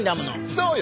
そうよ。